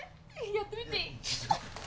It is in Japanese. やってみていい？」